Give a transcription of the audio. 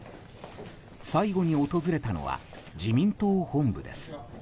最後に訪れたのは自民党本部です。